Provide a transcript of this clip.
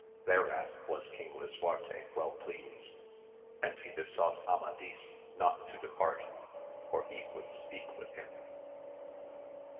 Thereat was King Lisuarte well pleased, and he besought Amadis not to depart, for he would speak with him.